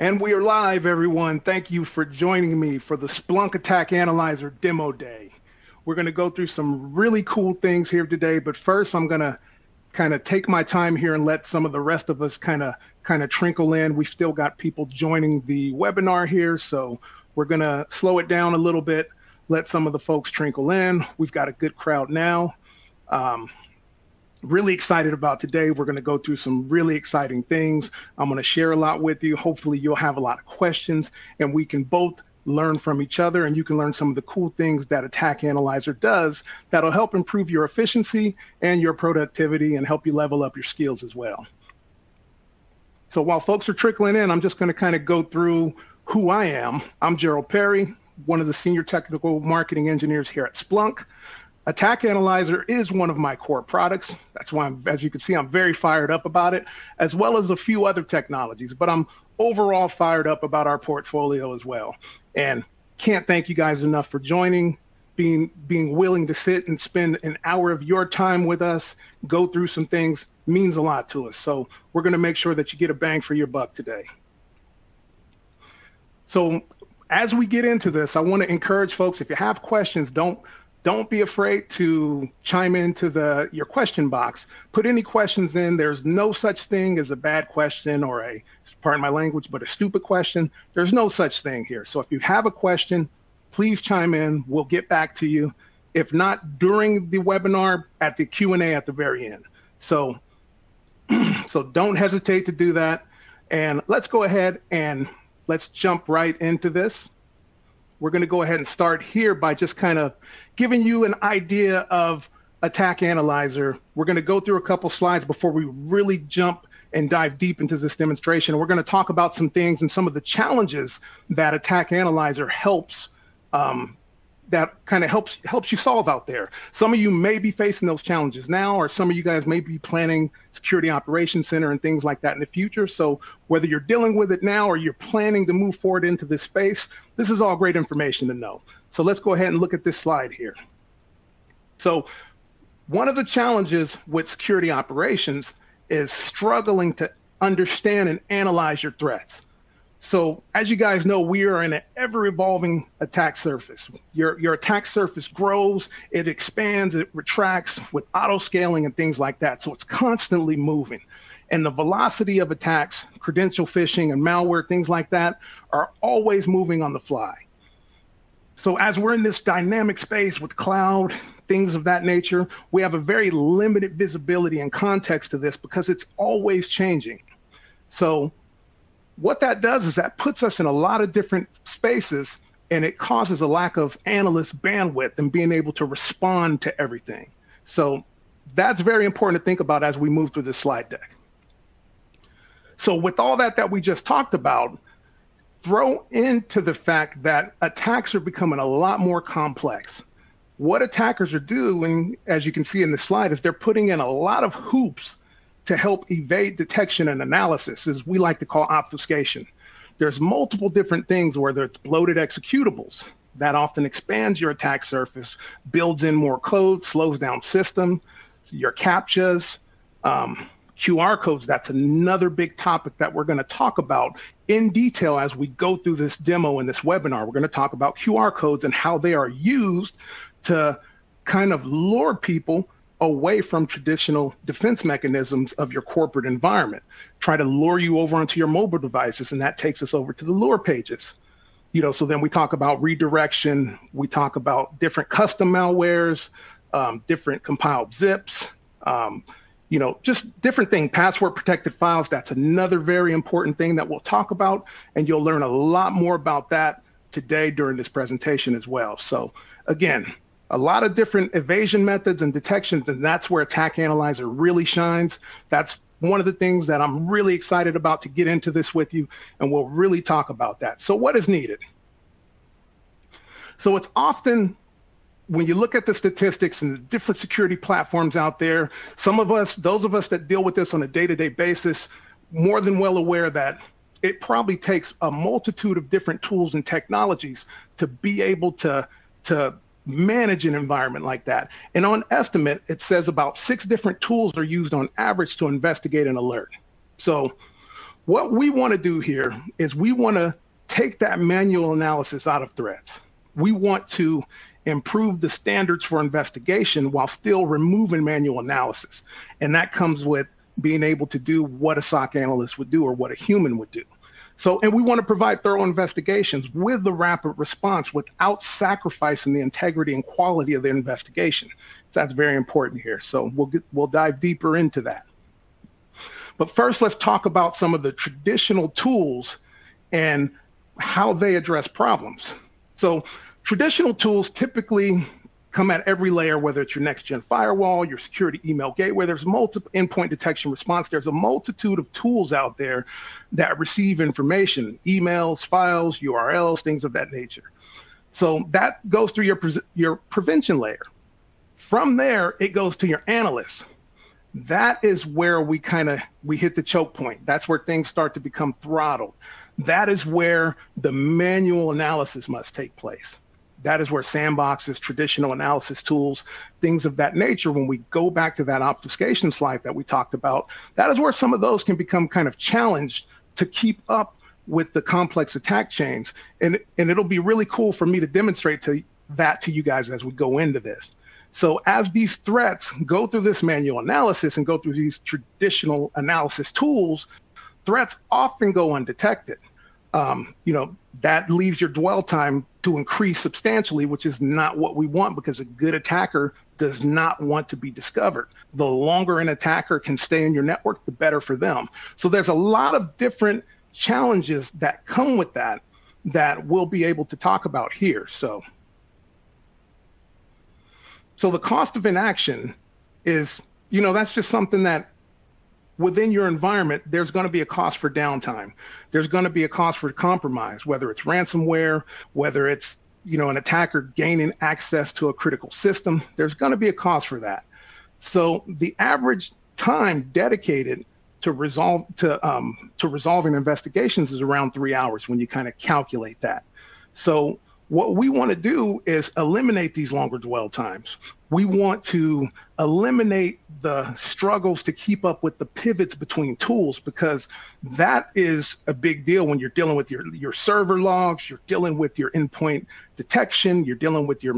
We are live, everyone. Thank you for joining me for the Splunk Attack Analyzer demo day. We're going to go through some really cool things here today. First, I'm going to kind of take my time here and let some of the rest of us kind of trickle in. We've still got people joining the webinar here, so we're going to slow it down a little bit, let some of the folks trickle in. We've got a good crowd now. Really excited about today. We're going to go through some really exciting things. I'm going to share a lot with you. Hopefully, you'll have a lot of questions, and we can both learn from each other, and you can learn some of the cool things that Attack Analyzer does that'll help improve your efficiency and your productivity and help you level up your skills as well. While folks are trickling in, I'm just going to kind of go through who I am. I'm Jerald Perry, one of the Senior Technical Marketing Engineers here at Splunk. Attack Analyzer is one of my core products. That's why, as you can see, I'm very fired up about it, as well as a few other technologies. I'm overall fired up about our portfolio as well. I can't thank you guys enough for joining, being willing to sit and spend an hour of your time with us, go through some things, means a lot to us. We're going to make sure that you get a bang for your buck today. As we get into this, I want to encourage folks, if you have questions, don't be afraid to chime into your question box. Put any questions in. There's no such thing as a bad question or a, pardon my language, but a stupid question. There's no such thing here. If you have a question, please chime in. We'll get back to you, if not during the webinar, at the Q&A at the very end. Don't hesitate to do that. Let's go ahead and jump right into this. We're going to go ahead and start here by just kind of giving you an idea of Attack Analyzer. We're going to go through a couple of slides before we really jump and dive deep into this demonstration. We're going to talk about some things and some of the challenges that Attack Analyzer helps, that kind of helps you solve out there. Some of you may be facing those challenges now, or some of you guys may be planning security operations center and things like that in the future. Whether you're dealing with it now or you're planning to move forward into this space, this is all great information to know. Let's go ahead and look at this slide here. One of the challenges with security operations is struggling to understand and analyze your threats. As you guys know, we are an ever-evolving attack surface. Your attack surface grows, it expands, it retracts with auto scaling and things like that. It's constantly moving. The velocity of attacks, credential phishing, and malware, things like that, are always moving on the fly. As we're in this dynamic space with cloud, things of that nature, we have very limited visibility and context to this because it's always changing. What that does is that puts us in a lot of different spaces, and it causes a lack of analyst bandwidth and being able to respond to everything. That's very important to think about as we move through this slide deck. With all that that we just talked about, throw into the fact that attacks are becoming a lot more complex. What attackers are doing, as you can see in the slide, is they're putting in a lot of hoops to help evade detection and analysis, as we like to call obfuscation. There's multiple different things, whether it's bloated executables, that often expands your attack surface, builds in more code, slows down systems, your CAPTCHAs, QR codes. That's another big topic that we're going to talk about in detail as we go through this demo and this webinar. We're going to talk about QR codes and how they are used to kind of lure people away from traditional defense mechanisms of your corporate environment, try to lure you over onto your mobile devices. That takes us over to the lure pages. We talk about redirection. We talk about different custom malwares, different compiled zips, just different things, password-protected files. That's another very important thing that we'll talk about. You'll learn a lot more about that today during this presentation as well. Again, a lot of different evasion methods and detections, and that's where Attack Analyzer really shines. That's one of the things that I'm really excited about to get into this with you, and we'll really talk about that. What is needed? It's often, when you look at the statistics and the different security platforms out there, some of us, those of us that deal with this on a day-to-day basis, are more than well aware that it probably takes a multitude of different tools and technologies to be able to manage an environment like that. On estimate, it says about six different tools are used on average to investigate an alert. What we want to do here is we want to take that manual analysis out of threats. We want to improve the standards for investigation while still removing manual analysis. That comes with being able to do what a SOC analyst would do or what a human would do. We want to provide thorough investigations with the rapid response without sacrificing the integrity and quality of the investigation. That's very important here. We'll dive deeper into that. But first, let's talk about some of the traditional tools and how they address problems. Traditional tools typically come at every layer, whether it's your next-gen firewall, your security email gateway. There's multiple endpoint detection response. There's a multitude of tools out there that receive information, emails, files, URLs, things of that nature. That goes through your prevention layer. From there, it goes to your analysts. That is where we kind of hit the choke point. That's where things start to become throttled. That is where the manual analysis must take place. That is where sandboxes, traditional analysis tools, things of that nature, when we go back to that obfuscation slide that we talked about, that is where some of those can become kind of challenged to keep up with the complex attack chains. It'll be really cool for me to demonstrate that to you guys as we go into this. As these threats go through this manual analysis and go through these traditional analysis tools, threats often go undetected. That leaves your dwell time to increase substantially, which is not what we want because a good attacker does not want to be discovered. The longer an attacker can stay in your network, the better for them. There are a lot of different challenges that come with that that we'll be able to talk about here. The cost of inaction is, you know, that's just something that within your environment, there's going to be a cost for downtime. There's going to be a cost for compromise, whether it's ransomware, whether it's an attacker gaining access to a critical system. There's going to be a cost for that. The average time dedicated to resolving investigations is around three hours when you kind of calculate that. What we want to do is eliminate these longer dwell times. We want to eliminate the struggles to keep up with the pivots between tools because that is a big deal when you're dealing with your server logs, you're dealing with your endpoint detection, you're dealing with your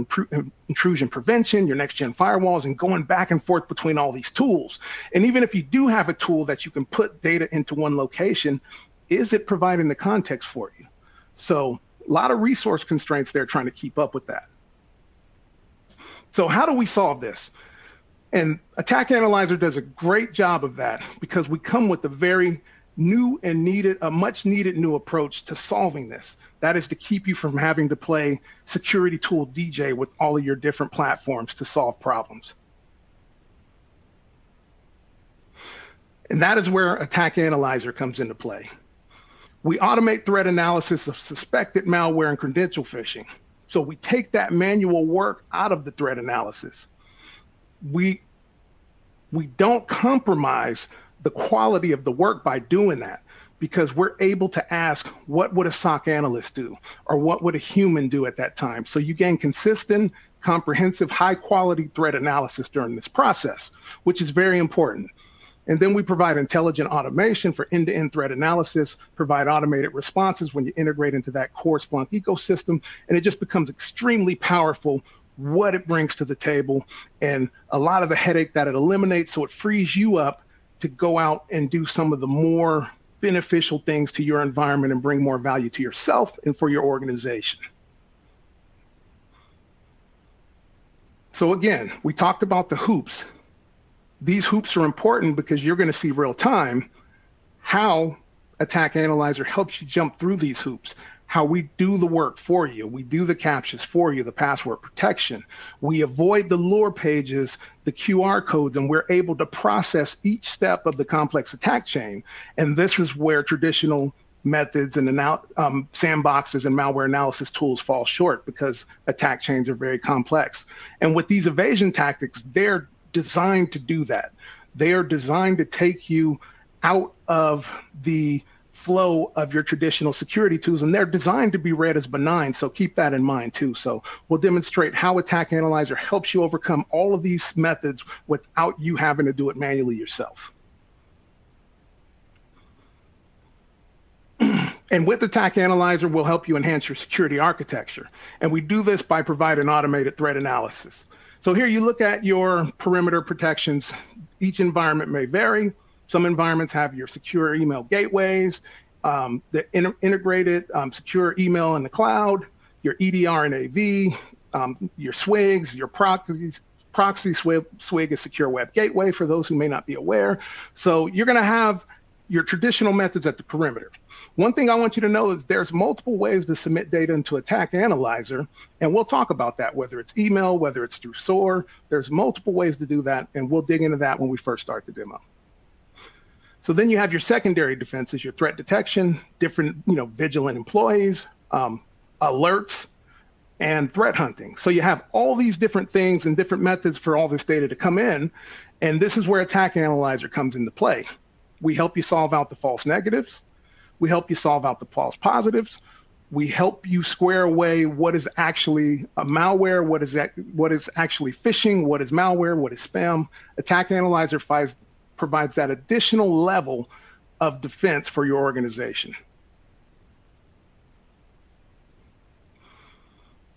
intrusion prevention, your next-gen firewalls, and going back and forth between all these tools. Even if you do have a tool that you can put data into one location, is it providing the context for you? A lot of resource constraints there trying to keep up with that. How do we solve this? Attack Analyzer does a great job of that because we come with a very new and needed, a much-needed new approach to solving this. That is to keep you from having to play security tool DJ with all of your different platforms to solve problems. That is where Attack Analyzer comes into play. We automate threat analysis of suspected malware and credential phishing. We take that manual work out of the threat analysis. We do not compromise the quality of the work by doing that because we are able to ask, what would a SOC analyst do, or what would a human do at that time? You gain consistent, comprehensive, high-quality threat analysis during this process, which is very important. We provide intelligent automation for end-to-end threat analysis, provide automated responses when you integrate into that core Splunk ecosystem. It just becomes extremely powerful what it brings to the table and a lot of the headache that it eliminates. It frees you up to go out and do some of the more beneficial things to your environment and bring more value to yourself and for your organization. Again, we talked about the hoops. These hoops are important because you're going to see real time how Attack Analyzer helps you jump through these hoops, how we do the work for you. We do the CAPTCHAs for you, the password protection. We avoid the lower pages, the QR codes, and we're able to process each step of the complex attack chain. This is where traditional methods and sandboxes and malware analysis tools fall short because attack chains are very complex. With these evasion tactics, they're designed to do that. They are designed to take you out of the flow of your traditional security tools, and they're designed to be read as benign. Keep that in mind too. We'll demonstrate how Attack Analyzer helps you overcome all of these methods without you having to do it manually yourself. With Attack Analyzer, we'll help you enhance your security architecture. We do this by providing automated threat analysis. Here you look at your perimeter protections. Each environment may vary. Some environments have your secure email gateways, the integrated secure email in the cloud, your EDR and AV, your SWIGs, your proxy SWIG, a secure web gateway for those who may not be aware. You're going to have your traditional methods at the perimeter. One thing I want you to know is there's multiple ways to submit data into Attack Analyzer, and we'll talk about that, whether it's email, whether it's through SOAR. There's multiple ways to do that, and we'll dig into that when we first start the demo. Then you have your secondary defenses, your threat detection, different vigilant employees, alerts, and threat hunting. You have all these different things and different methods for all this data to come in. This is where Attack Analyzer comes into play. We help you solve out the false negatives. We help you solve out the false positives. We help you square away what is actually malware, what is actually phishing, what is malware, what is spam. Attack Analyzer provides that additional level of defense for your organization.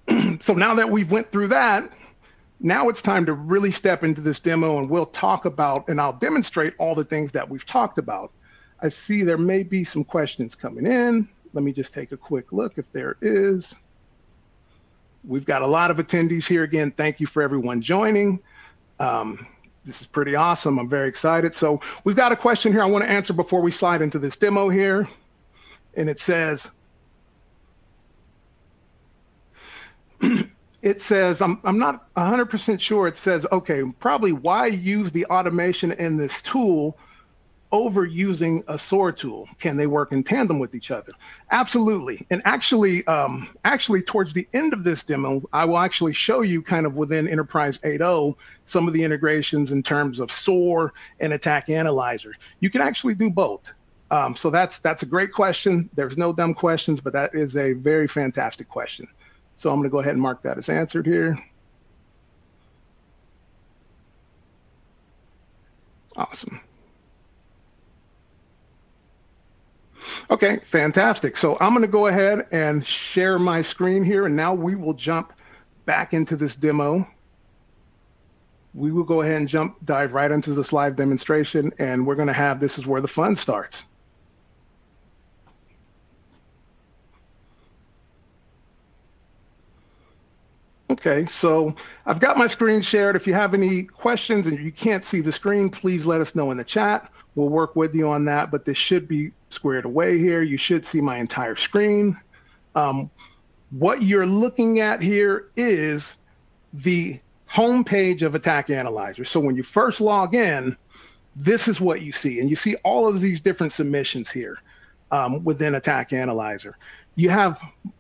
Now that we've went through that, now it's time to really step into this demo, and we'll talk about, and I'll demonstrate all the things that we've talked about. I see there may be some questions coming in. Let me just take a quick look if there is. We've got a lot of attendees here again. Thank you for everyone joining. This is pretty awesome. I'm very excited. We've got a question here I want to answer before we slide into this demo here. It says, I'm not 100% sure. It says, okay, probably why use the automation in this tool over using a SOAR tool? Can they work in tandem with each other? Absolutely. Actually, towards the end of this demo, I will actually show you kind of within Enterprise 8.0, some of the integrations in terms of SOAR and Attack Analyzer. You can actually do both. That's a great question. There's no dumb questions, but that is a very fantastic question. I'm going to go ahead and mark that as answered here. Awesome. Fantastic. I'm going to go ahead and share my screen here, and now we will jump back into this demo. We will go ahead and jump, dive right into this live demonstration, and we're going to have this is where the fun starts. Okay, so I've got my screen shared. If you have any questions and you can't see the screen, please let us know in the chat. We'll work with you on that, but this should be squared away here. You should see my entire screen. What you're looking at here is the homepage of Attack Analyzer. When you first log in, this is what you see. You see all of these different submissions here within Attack Analyzer. You have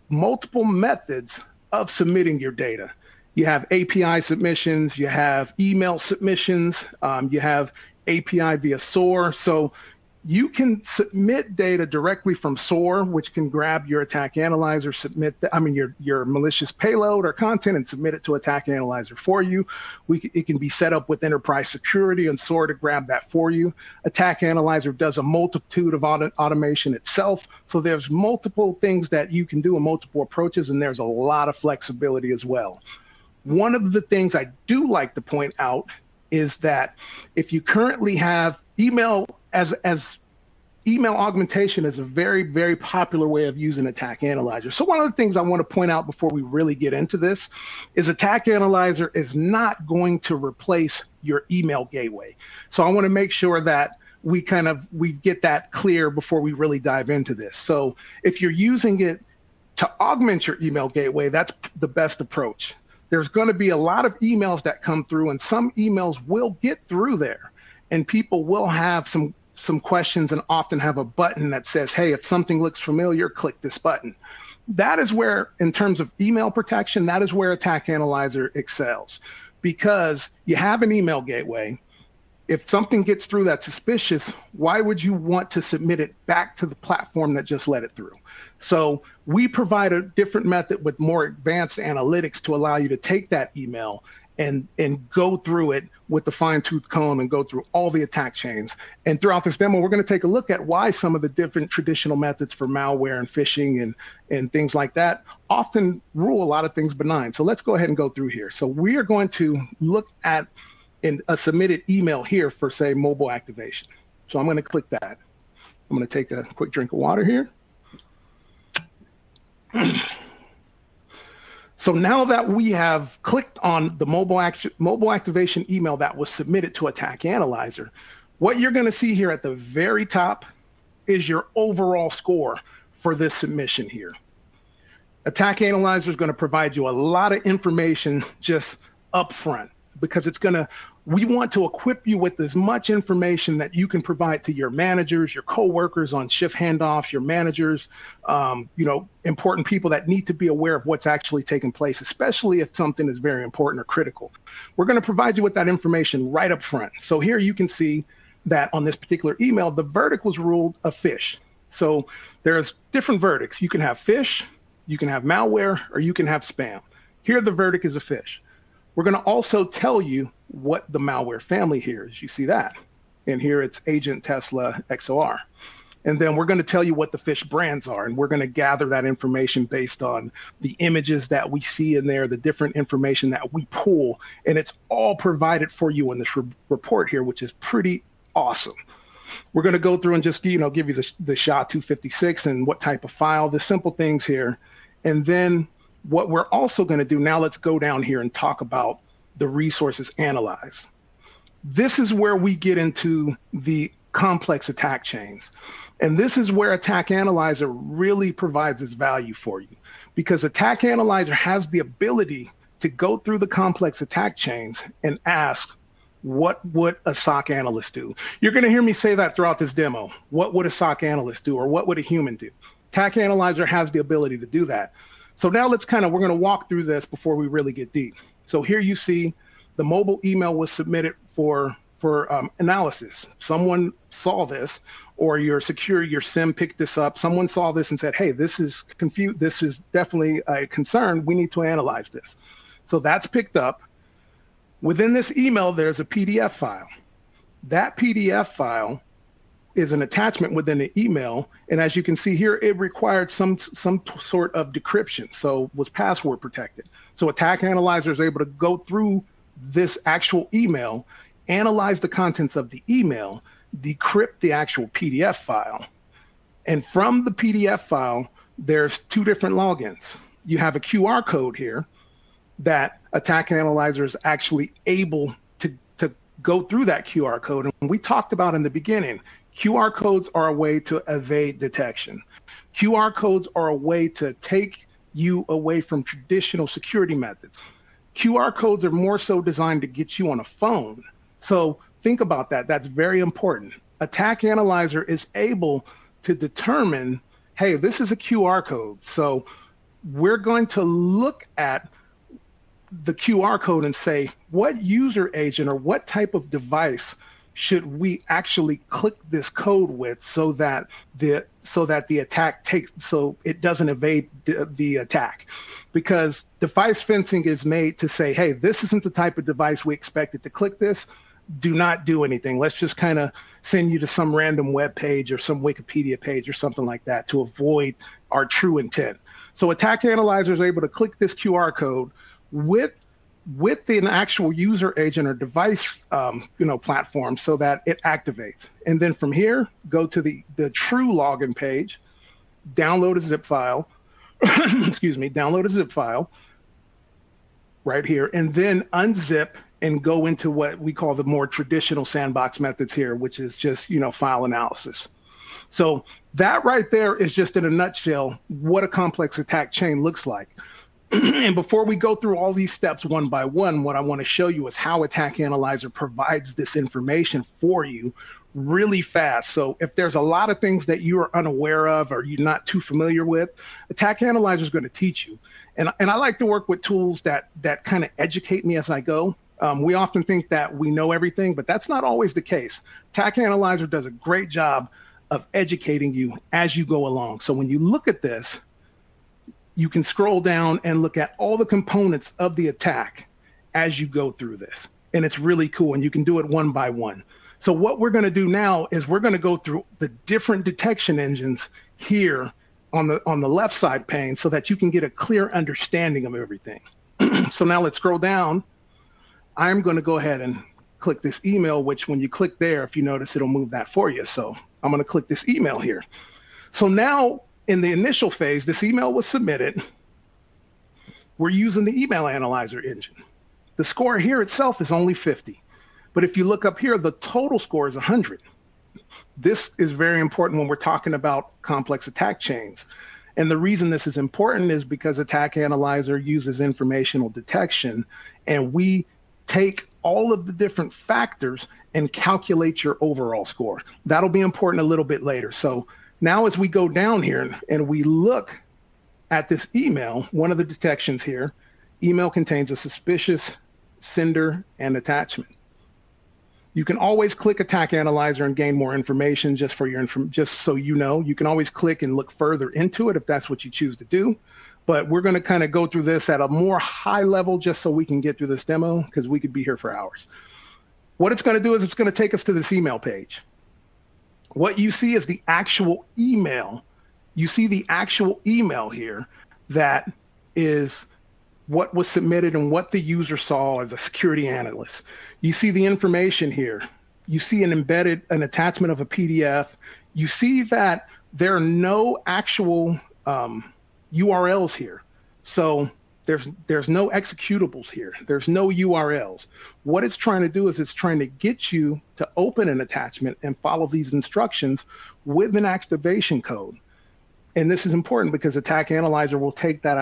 multiple methods of submitting your data. You have API submissions. You have email submissions. You have API via SOAR. You can submit data directly from SOAR, which can grab your Attack Analyzer, submit, I mean, your malicious payload or content and submit it to Attack Analyzer for you. It can be set up with Enterprise Security and SOAR to grab that for you. Attack Analyzer does a multitude of automation itself. There are multiple things that you can do and multiple approaches, and there's a lot of flexibility as well. One of the things I do like to point out is that if you currently have email as email augmentation is a very, very popular way of using Attack Analyzer. One of the things I want to point out before we really get into this is Attack Analyzer is not going to replace your email gateway. I want to make sure that we kind of get that clear before we really dive into this. If you're using it to augment your email gateway, that's the best approach. There's going to be a lot of emails that come through, and some emails will get through there. People will have some questions and often have a button that says, "Hey, if something looks familiar, click this button." That is where, in terms of email protection, that is where Attack Analyzer excels because you have an email gateway. If something gets through that is suspicious, why would you want to submit it back to the platform that just let it through? We provide a different method with more advanced analytics to allow you to take that email and go through it with a fine-toothed comb and go through all the attack chains. Throughout this demo, we're going to take a look at why some of the different traditional methods for malware and phishing and things like that often rule a lot of things benign. Let's go ahead and go through here. We are going to look at a submitted email here for, say, mobile activation. I'm going to click that. I'm going to take a quick drink of water here. Now that we have clicked on the mobile activation email that was submitted to Attack Analyzer, what you're going to see here at the very top is your overall score for this submission here. Attack Analyzer is going to provide you a lot of information just upfront because it's going to, we want to equip you with as much information that you can provide to your managers, your coworkers on shift handoffs, your managers, important people that need to be aware of what's actually taking place, especially if something is very important or critical. We're going to provide you with that information right upfront. Here you can see that on this particular email, the verdict is ruled a phish. There are different verdicts. You can have phish, you can have malware, or you can have spam. Here, the verdict is a phish. We're going to also tell you what the malware family here is. You see that? Here it's Agent Tesla XOR. We're going to tell you what the phish brands are, and we're going to gather that information based on the images that we see in there, the different information that we pull. It's all provided for you in this report here, which is pretty awesome. We're going to go through and just give you the SHA-256 and what type of file, the simple things here. What we're also going to do now, let's go down here and talk about the resources analyzed. This is where we get into the complex attack chains. This is where Attack Analyzer really provides its value for you because Attack Analyzer has the ability to go through the complex attack chains and ask, what would a SOC analyst do? You're going to hear me say that throughout this demo. What would a SOC analyst do, or what would a human do? Attack Analyzer has the ability to do that. Now let's kind of, we're going to walk through this before we really get deep. Here you see the mobile email was submitted for analysis. Someone saw this, or your secure, your SIEM picked this up. Someone saw this and said, "Hey, this is definitely a concern. We need to analyze this." That is picked up. Within this email, there's a PDF file. That PDF file is an attachment within the email. As you can see here, it required some sort of decryption. It was password protected. Attack Analyzer is able to go through this actual email, analyze the contents of the email, decrypt the actual PDF file. From the PDF file, there's two different logins. You have a QR code here that Attack Analyzer is actually able to go through that QR code. We talked about in the beginning, QR codes are a way to evade detection. QR codes are a way to take you away from traditional security methods. QR codes are more so designed to get you on a phone. Think about that. That is very important. Attack Analyzer is able to determine, "Hey, this is a QR code." We are going to look at the QR code and say, "What user agent or what type of device should we actually click this code with so that the attack takes, so it does not evade the attack?" Because device fencing is made to say, "Hey, this is not the type of device we expect it to click this. Do not do anything. Let's just kind of send you to some random web page or some Wikipedia page or something like that to avoid our true intent. Attack Analyzer is able to click this QR code with an actual user agent or device platform so that it activates. From here, go to the true login page, download a zip file, excuse me, download a zip file right here, and then unzip and go into what we call the more traditional sandbox methods here, which is just file analysis. That right there is just in a nutshell what a complex attack chain looks like. Before we go through all these steps one by one, what I want to show you is how Attack Analyzer provides this information for you really fast. If there's a lot of things that you are unaware of or you're not too familiar with, Attack Analyzer is going to teach you. I like to work with tools that kind of educate me as I go. We often think that we know everything, but that's not always the case. Attack Analyzer does a great job of educating you as you go along. When you look at this, you can scroll down and look at all the components of the attack as you go through this. It's really cool, and you can do it one by one. What we're going to do now is we're going to go through the different detection engines here on the left side pane so that you can get a clear understanding of everything. Now let's scroll down. I'm going to go ahead and click this email, which when you click there, if you notice, it'll move that for you. I'm going to click this email here. Now in the initial phase, this email was submitted. We're using the email analyzer engine. The score here itself is only 50. If you look up here, the total score is 100. This is very important when we're talking about complex attack chains. The reason this is important is because Attack Analyzer uses informational detection, and we take all of the different factors and calculate your overall score. That'll be important a little bit later. Now as we go down here and we look at this email, one of the detections here, email contains a suspicious sender and attachment. You can always click Attack Analyzer and gain more information just so you know. You can always click and look further into it if that's what you choose to do. We are going to kind of go through this at a more high level just so we can get through this demo because we could be here for hours. What it's going to do is it's going to take us to this email page. What you see is the actual email. You see the actual email here that is what was submitted and what the user saw as a security analyst. You see the information here. You see an embedded, an attachment of a PDF. You see that there are no actual URLs here. There are no executables here. There are no URLs. What it's trying to do is it's trying to get you to open an attachment and follow these instructions with an activation code. This is important because Attack Analyzer will take that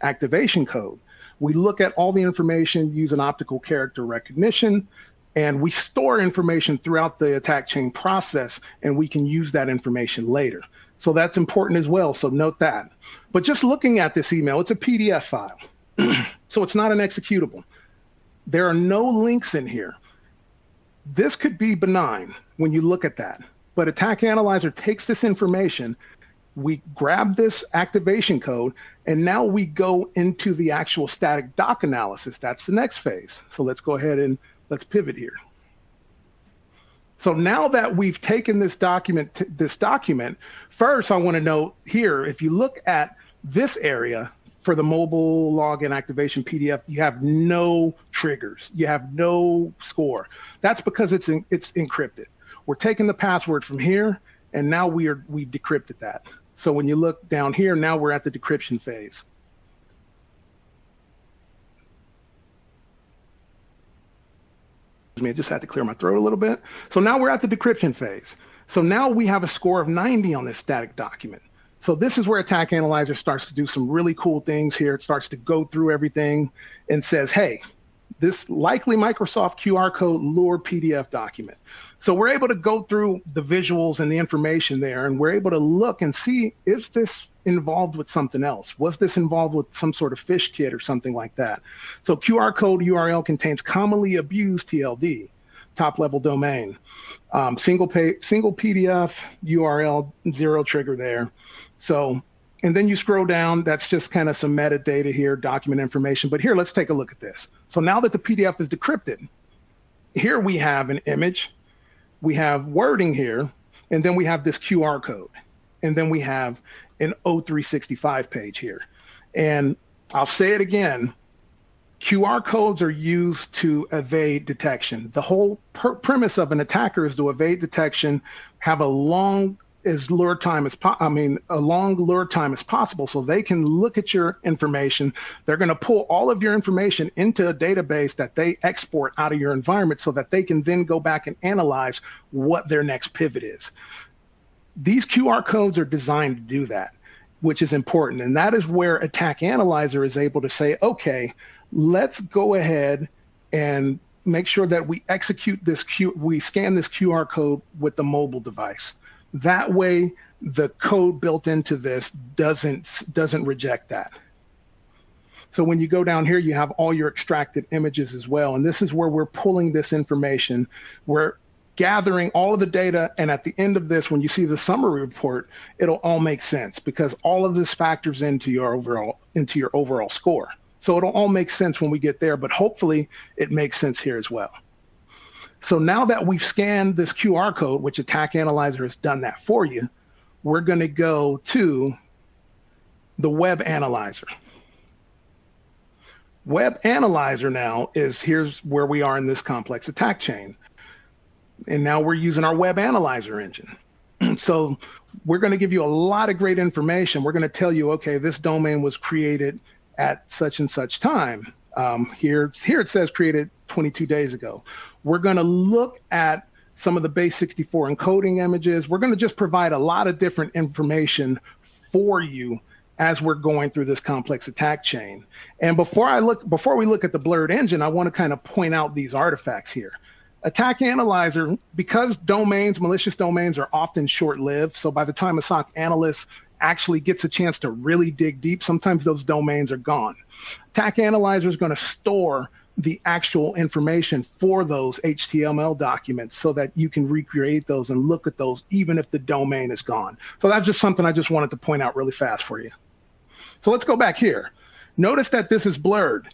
activation code. We look at all the information, use optical character recognition, and we store information throughout the attack chain process, and we can use that information later. That's important as well. Note that. Just looking at this email, it's a PDF file. It's not an executable. There are no links in here. This could be benign when you look at that. Attack Analyzer takes this information. We grab this activation code, and now we go into the actual static doc analysis. That's the next phase. Let's go ahead and pivot here. Now that we've taken this document, this document, first I want to note here, if you look at this area for the mobile login activation PDF, you have no triggers. You have no score. That's because it's encrypted. We're taking the password from here, and now we've decrypted that. When you look down here, now we're at the decryption phase. Excuse me, I just had to clear my throat a little bit. Now we're at the decryption phase. Now we have a score of 90 on this static document. This is where Attack Analyzer starts to do some really cool things here. It starts to go through everything and says, "Hey, this likely Microsoft QR code lure PDF document." We're able to go through the visuals and the information there, and we're able to look and see, is this involved with something else? Was this involved with some sort of phish kit or something like that? QR code URL contains commonly abused TLD, top-level domain. Single PDF URL, zero trigger there. You scroll down, that's just kind of some metadata here, document information. Here, let's take a look at this. Now that the PDF is decrypted, here we have an image. We have wording here, and then we have this QR code. We have an 0365 page here. I'll say it again, QR codes are used to evade detection. The whole premise of an attacker is to evade detection, have a long, I mean, a long lure time as possible so they can look at your information. They're going to pull all of your information into a database that they export out of your environment so that they can then go back and analyze what their next pivot is. These QR codes are designed to do that, which is important. That is where Attack Analyzer is able to say, "Okay, let's go ahead and make sure that we execute this, we scan this QR code with the mobile device." That way, the code built into this does not reject that. When you go down here, you have all your extracted images as well. This is where we're pulling this information. We're gathering all of the data. At the end of this, when you see the summary report, it will all make sense because all of this factors into your overall score. It will all make sense when we get there, but hopefully it makes sense here as well. Now that we've scanned this QR code, which Attack Analyzer has done that for you, we're going to go to the Web Analyzer. Web Analyzer now is, here's where we are in this complex attack chain. We are using our Web Analyzer engine. We are going to give you a lot of great information. We are going to tell you, "Okay, this domain was created at such and such time." Here it says created 22 days ago. We are going to look at some of the Base64 encoding images. We are going to just provide a lot of different information for you as we are going through this complex attack chain. Before we look at the blurred engine, I want to kind of point out these artifacts here. Attack Analyzer, because malicious domains are often short-lived, by the time a SOC analyst actually gets a chance to really dig deep, sometimes those domains are gone. Attack Analyzer is going to store the actual information for those HTML documents so that you can recreate those and look at those even if the domain is gone. That's just something I just wanted to point out really fast for you. Let's go back here. Notice that this is blurred.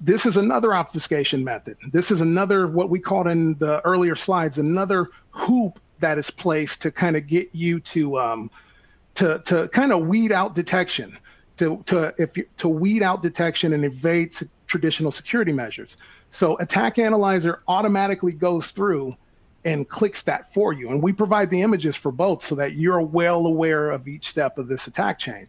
This is another obfuscation method. This is another, what we called in the earlier slides, another hoop that is placed to kind of get you to kind of weed out detection, to weed out detection and evade traditional security measures. Attack Analyzer automatically goes through and clicks that for you. We provide the images for both so that you're well aware of each step of this attack chain.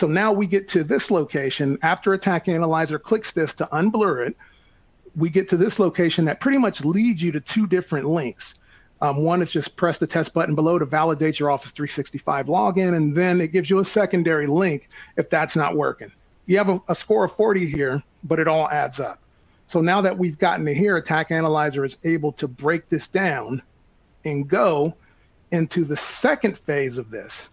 Now we get to this location. After Attack Analyzer clicks this to unblur it, we get to this location that pretty much leads you to two different links. One is just press the test button below to validate your Office 365 login, and then it gives you a secondary link if that's not working. You have a score of 40 here, but it all adds up. Now that we've gotten here, Attack Analyzer is able to break this down and go into the second phase of this.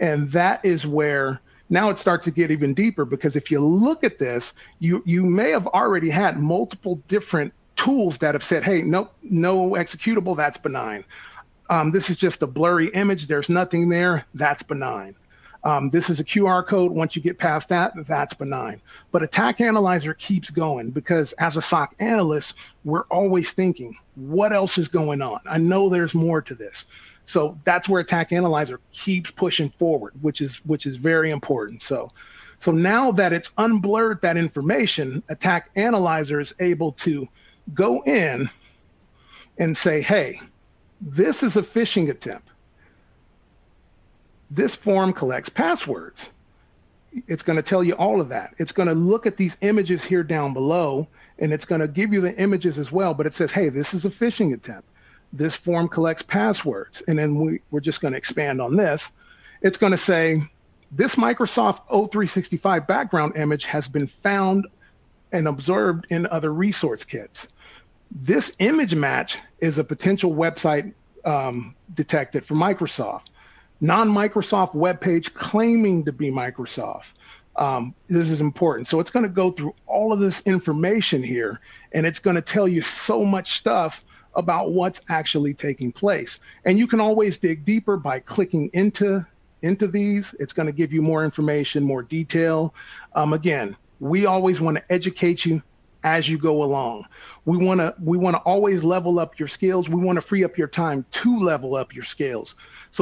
That is where it starts to get even deeper because if you look at this, you may have already had multiple different tools that have said, "Hey, nope, no executable. That's benign." This is just a blurry image. There's nothing there. That's benign. This is a QR code. Once you get past that, that's benign. Attack Analyzer keeps going because as a SOC analyst, we're always thinking, "What else is going on? I know there's more to this." That is where Attack Analyzer keeps pushing forward, which is very important. Now that it's unblurred that information, Attack Analyzer is able to go in and say, "Hey, this is a phishing attempt. This form collects passwords." It's going to tell you all of that. It's going to look at these images here down below, and it's going to give you the images as well, but it says, "Hey, this is a phishing attempt. This form collects passwords." We're just going to expand on this. It's going to say, "This Microsoft 0365 background image has been found and observed in other resource kits. This image match is a potential website detected for Microsoft. Non-Microsoft web page claiming to be Microsoft." This is important. It's going to go through all of this information here, and it's going to tell you so much stuff about what's actually taking place. You can always dig deeper by clicking into these. It's going to give you more information, more detail. Again, we always want to educate you as you go along. We want to always level up your skills. We want to free up your time to level up your skills.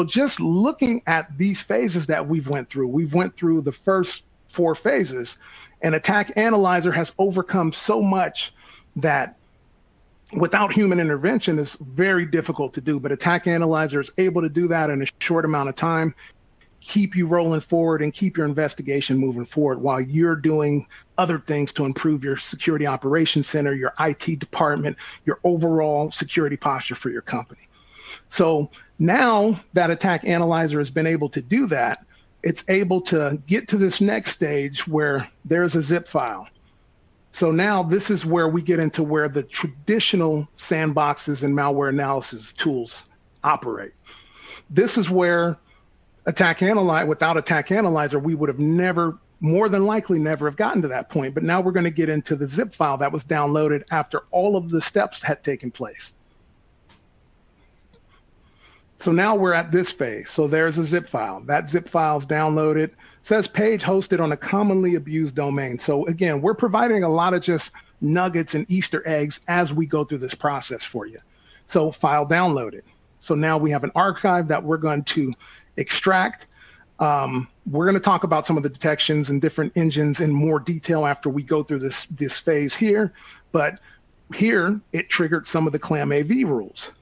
Just looking at these phases that we've went through, we've went through the first four phases, and Attack Analyzer has overcome so much that without human intervention, it's very difficult to do. Attack Analyzer is able to do that in a short amount of time, keep you rolling forward, and keep your investigation moving forward while you're doing other things to improve your security operations center, your IT department, your overall security posture for your company. Now that Attack Analyzer has been able to do that, it's able to get to this next stage where there's a zip file. This is where we get into where the traditional sandboxes and malware analysis tools operate. This is where Attack Analyzer, without Attack Analyzer, we would have never, more than likely, never have gotten to that point. Now we're going to get into the zip file that was downloaded after all of the steps had taken place. Now we're at this phase. There's a zip file. That zip file is downloaded. It says page hosted on a commonly abused domain. Again, we're providing a lot of just nuggets and Easter eggs as we go through this process for you. File downloaded. Now we have an archive that we're going to extract. We're going to talk about some of the detections and different engines in more detail after we go through this phase here. Here, it triggered some of the ClamAV rules.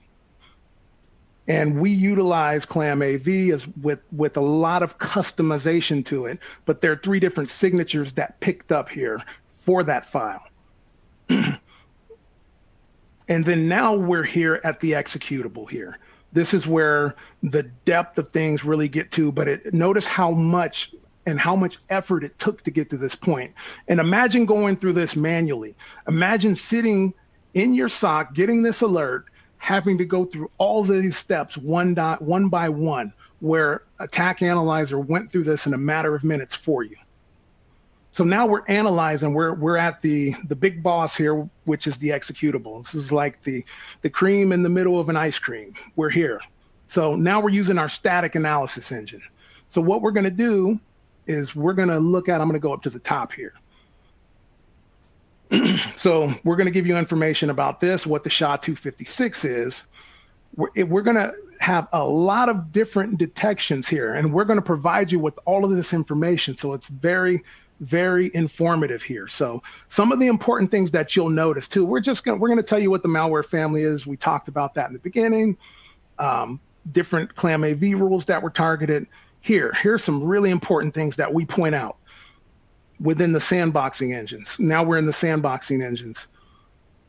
We utilize ClamAV with a lot of customization to it, but there are three different signatures that picked up here for that file. Now we're here at the executable. This is where the depth of things really gets to, but notice how much and how much effort it took to get to this point. Imagine going through this manually. Imagine sitting in your SOC, getting this alert, having to go through all these steps one by one where Attack Analyzer went through this in a matter of minutes for you. Now we're analyzing. We're at the big boss here, which is the executable. This is like the cream in the middle of an ice cream. We're here. Now we're using our static analysis engine. What we're going to do is we're going to look at, I'm going to go up to the top here. We're going to give you information about this, what the SHA-256 is. We're going to have a lot of different detections here, and we're going to provide you with all of this information. It's very, very informative here. Some of the important things that you'll notice too, we're going to tell you what the malware family is. We talked about that in the beginning, different ClamAV rules that were targeted. Here, here's some really important things that we point out within the sandboxing engines. Now we're in the sandboxing engines.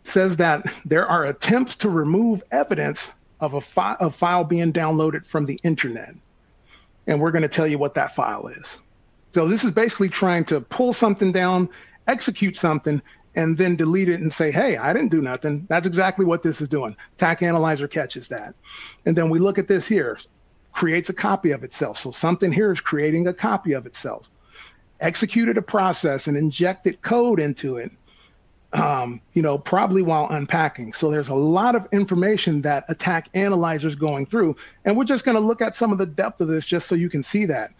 It says that there are attempts to remove evidence of a file being downloaded from the internet. We're going to tell you what that file is. This is basically trying to pull something down, execute something, and then delete it and say, "Hey, I didn't do nothing." That's exactly what this is doing. Attack Analyzer catches that. We look at this here, creates a copy of itself. Something here is creating a copy of itself, executed a process, and injected code into it, probably while unpacking. There is a lot of information that Attack Analyzer is going through. We're just going to look at some of the depth of this just so you can see that.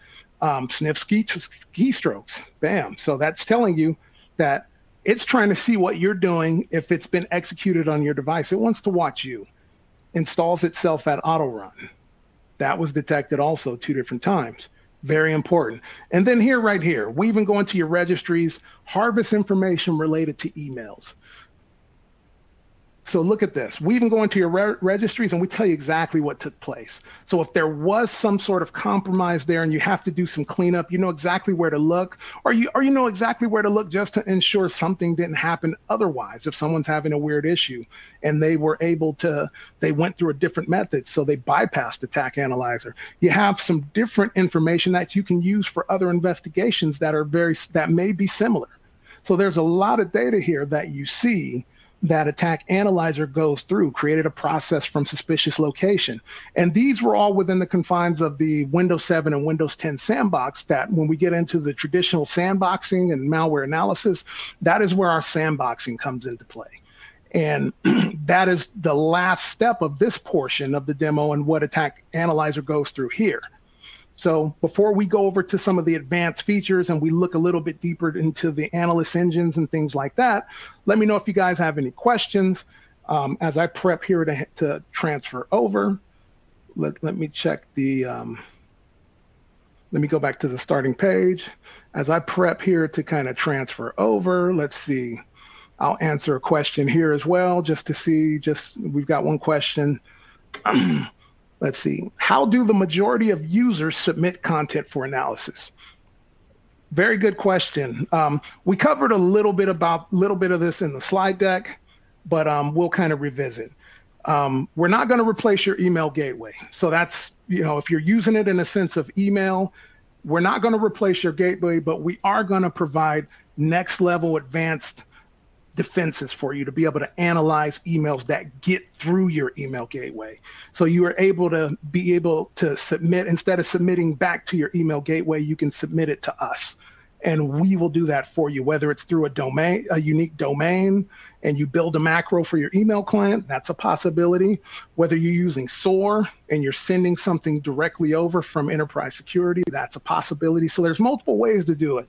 Sniff keystrokes. Bam. That's telling you that it's trying to see what you're doing if it's been executed on your device. It wants to watch you. Installs itself at auto run. That was detected also two different times. Very important. Here, we even go into your registries, harvest information related to emails. Look at this. We even go into your registries, and we tell you exactly what took place. If there was some sort of compromise there and you have to do some cleanup, you know exactly where to look, or you know exactly where to look just to ensure something did not happen otherwise. If someone's having a weird issue and they were able to, they went through a different method, so they bypassed Attack Analyzer. You have some different information that you can use for other investigations that may be similar. There is a lot of data here that you see that Attack Analyzer goes through, created a process from suspicious location. These were all within the confines of the Windows 7 and Windows 10 sandbox that when we get into the traditional sandboxing and malware analysis, that is where our sandboxing comes into play. That is the last step of this portion of the demo and what Attack Analyzer goes through here. Before we go over to some of the advanced features and we look a little bit deeper into the analyst engines and things like that, let me know if you guys have any questions as I prep here to transfer over. Let me check the, let me go back to the starting page. As I prep here to kind of transfer over, let's see. I'll answer a question here as well just to see, just we've got one question. Let's see. How do the majority of users submit content for analysis? Very good question. We covered a little bit of this in the slide deck, but we'll kind of revisit. We're not going to replace your email gateway. If you're using it in a sense of email, we're not going to replace your gateway, but we are going to provide next-level advanced defenses for you to be able to analyze emails that get through your email gateway. You are able to be able to submit, instead of submitting back to your email gateway, you can submit it to us. We will do that for you, whether it's through a unique domain and you build a macro for your email client, that's a possibility. Whether you're using SOAR and you're sending something directly over from Enterprise Security, that's a possibility. There are multiple ways to do it.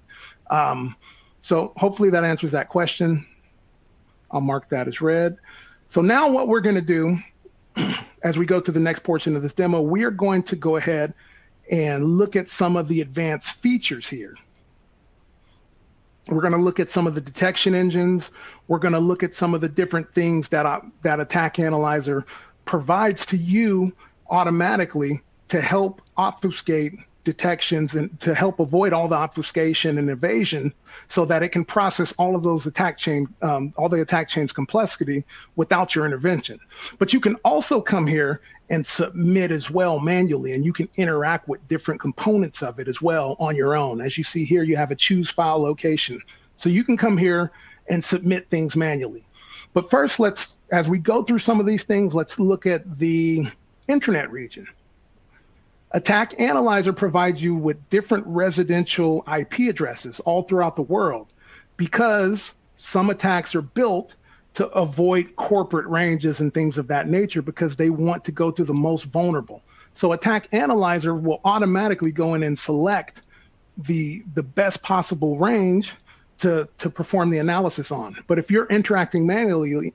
Hopefully that answers that question. I'll mark that as read. Now what we're going to do as we go to the next portion of this demo, we are going to go ahead and look at some of the advanced features here. We're going to look at some of the detection engines. We're going to look at some of the different things that Attack Analyzer provides to you automatically to help obfuscate detections and to help avoid all the obfuscation and evasion so that it can process all of those attack chains, all the attack chains complexity without your intervention. You can also come here and submit as well manually, and you can interact with different components of it as well on your own. As you see here, you have a choose file location. You can come here and submit things manually. First, as we go through some of these things, let's look at the internet region. Attack Analyzer provides you with different residential IP addresses all throughout the world because some attacks are built to avoid corporate ranges and things of that nature because they want to go to the most vulnerable. Attack Analyzer will automatically go in and select the best possible range to perform the analysis on. If you're interacting manually,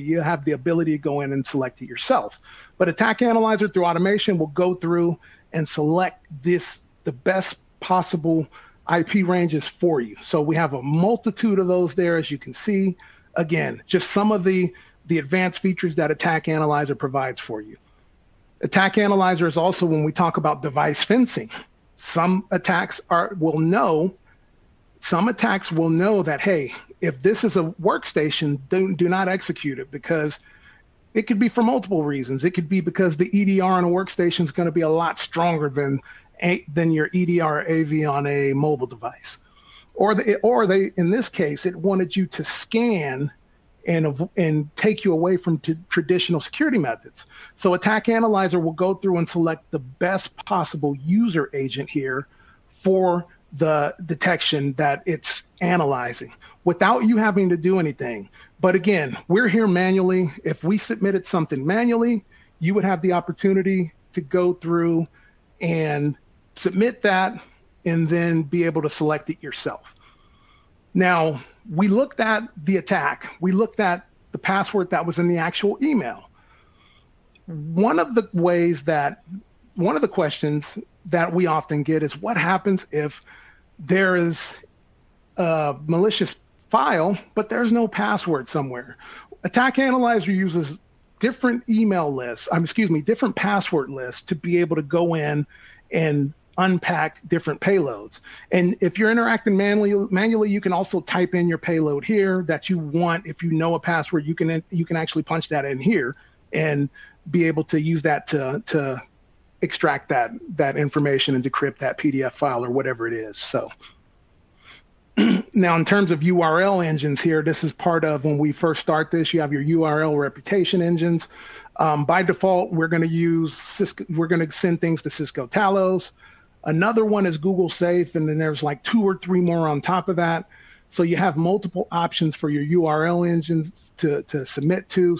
you have the ability to go in and select it yourself. Attack Analyzer, through automation, will go through and select the best possible IP ranges for you. We have a multitude of those there, as you can see. Again, just some of the advanced features that Attack Analyzer provides for you. Attack Analyzer is also, when we talk about device fencing, some attacks will know, some attacks will know that, "Hey, if this is a workstation, do not execute it because it could be for multiple reasons. It could be because the EDR on a workstation is going to be a lot stronger than your EDR AV on a mobile device. Or in this case, it wanted you to scan and take you away from traditional security methods. So Attack Analyzer will go through and select the best possible user agent here for the detection that it's analyzing without you having to do anything. But again, we're here manually. If we submitted something manually, you would have the opportunity to go through and submit that and then be able to select it yourself. Now, we looked at the attack. We looked at the password that was in the actual email. One of the questions that we often get is, "What happens if there is a malicious file, but there's no password somewhere?" Attack Analyzer uses different password lists to be able to go in and unpack different payloads. If you're interacting manually, you can also type in your payload here that you want. If you know a password, you can actually punch that in here and be able to use that to extract that information and decrypt that PDF file or whatever it is. In terms of URL engines here, this is part of when we first start this, you have your URL Reputation engines. By default, we're going to send things to Cisco Talos. Another one is Google Safe, and then there's like two or three more on top of that. You have multiple options for your URL engines to submit to.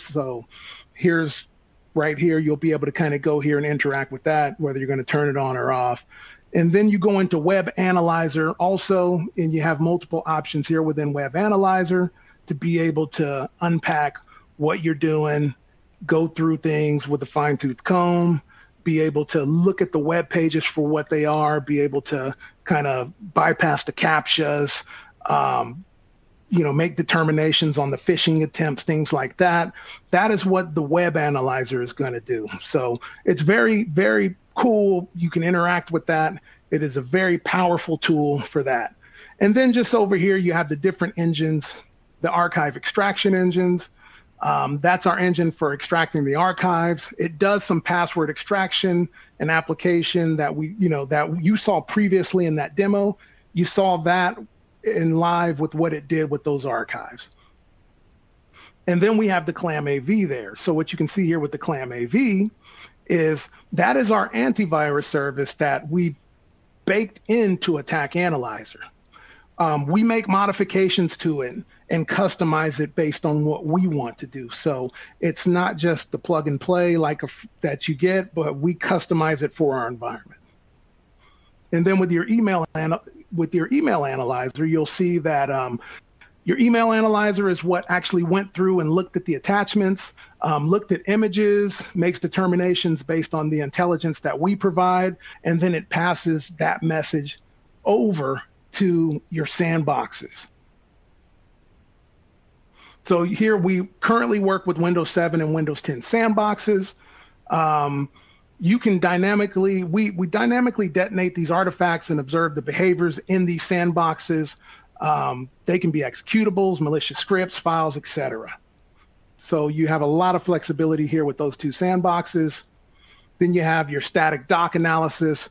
Here's right here, you'll be able to kind of go here and interact with that, whether you're going to turn it on or off. You go into Web Analyzer also, and you have multiple options here within Web Analyzer to be able to unpack what you're doing, go through things with a fine-toothed comb, be able to look at the web pages for what they are, be able to kind of bypass the CAPTCHAs, make determinations on the phishing attempts, things like that. That is what the Web Analyzer is going to do. It is very, very cool. You can interact with that. It is a very powerful tool for that. Just over here, you have the different engines, the archive extraction engines. That's our engine for extracting the archives. It does some password extraction and application that you saw previously in that demo. You saw that in live with what it did with those archives. We have the ClamAV there. What you can see here with the ClamAV is that is our antivirus service that we've baked into Attack Analyzer. We make modifications to it and customize it based on what we want to do. It's not just the plug and play like that you get, but we customize it for our environment. With your Email Analyzer, you'll see that your Email Analyzer is what actually went through and looked at the attachments, looked at images, makes determinations based on the intelligence that we provide, and then it passes that message over to your sandboxes. Here we currently work with Windows 7 and Windows 10 sandboxes. You can dynamically, we dynamically detonate these artifacts and observe the behaviors in these sandboxes. They can be executables, malicious scripts, files, etc. You have a lot of flexibility here with those two sandboxes. You have your Static Doc Analysis,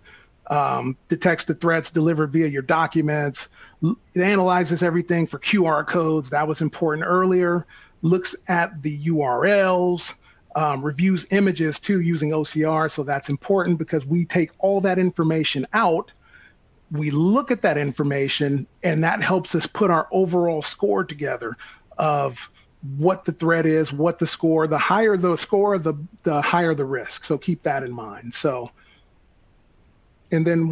detects the threats delivered via your documents. It analyzes everything for QR codes. That was important earlier. Looks at the URLs, reviews images too using OCR. That is important because we take all that information out. We look at that information, and that helps us put our overall score together of what the threat is, what the score. The higher the score, the higher the risk. Keep that in mind.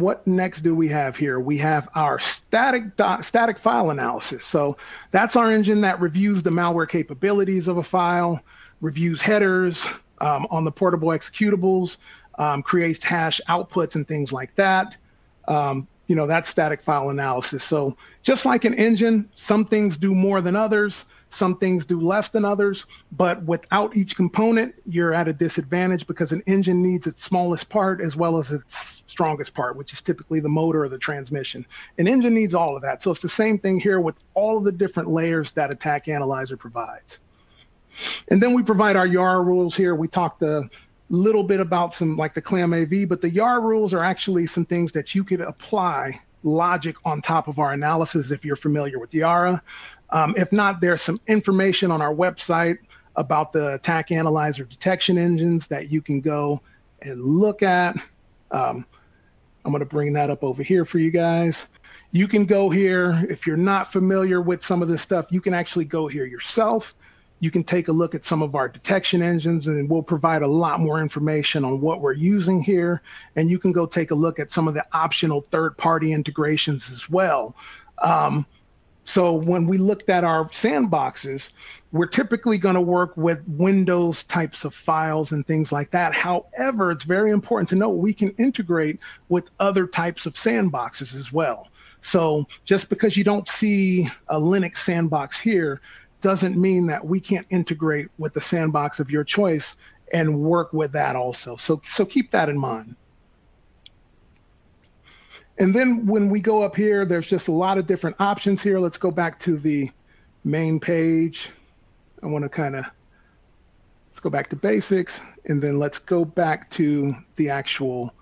What next do we have here? We have our Static File Analysis. That's our engine that reviews the malware capabilities of a file, reviews headers on the portable executables, creates hash outputs and things like that. That's Static File Analysis. Just like an engine, some things do more than others. Some things do less than others. Without each component, you're at a disadvantage because an engine needs its smallest part as well as its strongest part, which is typically the motor or the transmission. An engine needs all of that. It's the same thing here with all of the different layers that Attack Analyzer provides. We provide our YARA rules here. We talked a little bit about some like the ClamAV, but the YARA rules are actually some things that you could apply logic on top of our analysis if you're familiar with YARA. If not, there's some information on our website about the Attack Analyzer detection engines that you can go and look at. I'm going to bring that up over here for you guys. You can go here. If you're not familiar with some of this stuff, you can actually go here yourself. You can take a look at some of our detection engines, and we'll provide a lot more information on what we're using here. You can go take a look at some of the optional third-party integrations as well. When we looked at our sandboxes, we're typically going to work with Windows types of files and things like that. However, it's very important to know we can integrate with other types of sandboxes as well. Just because you do not see a Linux sandbox here does not mean that we cannot integrate with the sandbox of your choice and work with that also. Keep that in mind. When we go up here, there are a lot of different options here. Let's go back to the main page. I want to kind of, let's go back to basics, and then let's go back to the actual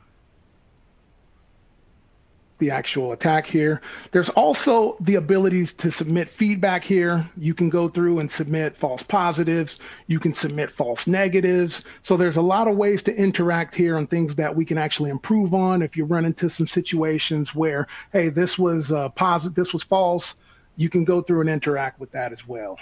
attack here. There are also the abilities to submit feedback here. You can go through and submit false positives. You can submit false negatives. There are a lot of ways to interact here and things that we can actually improve on. If you run into some situations where, "Hey, this was false," you can go through and interact with that as well.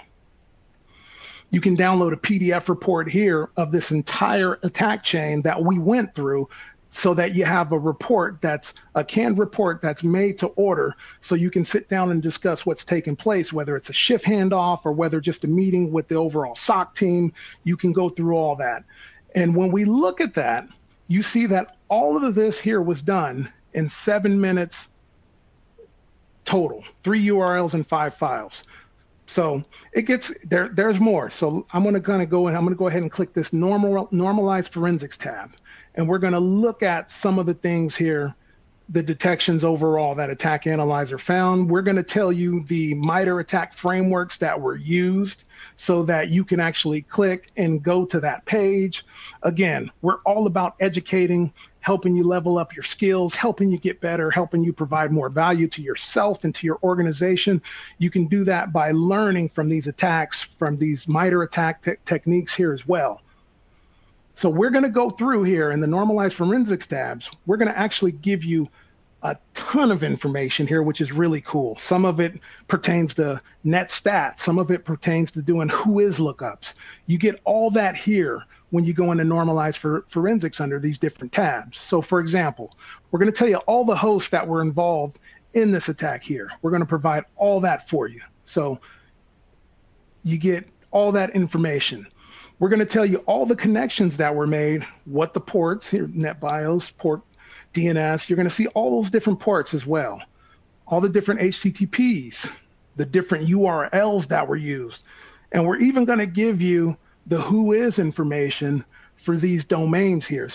You can download a PDF report here of this entire attack chain that we went through so that you have a report that's a canned report that's made to order. You can sit down and discuss what's taken place, whether it's a shift handoff or whether just a meeting with the overall SOC team. You can go through all that. When we look at that, you see that all of this here was done in seven minutes total, three URLs and five files. There's more. I'm going to kind of go in. I'm going to go ahead and click this Normalized Forensics tab. We're going to look at some of the things here, the detections overall that Attack Analyzer found. We're going to tell you the MITRE ATT&CK frameworks that were used so that you can actually click and go to that page. Again, we're all about educating, helping you level up your skills, helping you get better, helping you provide more value to yourself and to your organization. You can do that by learning from these attacks, from these MITRE ATT&CK techniques here as well. We're going to go through here in the Normalized Forensics tabs. We're going to actually give you a ton of information here, which is really cool. Some of it pertains to net stats. Some of it pertains to doing Whois lookups. You get all that here when you go into Normalized Forensics under these different tabs. For example, we're going to tell you all the hosts that were involved in this attack here. We're going to provide all that for you. You get all that information. We're going to tell you all the connections that were made, what the ports, NetBIOS, port DNS. You're going to see all those different ports as well. All the different HTTPs, the different URLs that were used. We're even going to give you the Whois information for these domains here.